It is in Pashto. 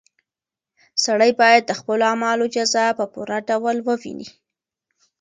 سړی باید د خپلو اعمالو جزا په پوره ډول وویني.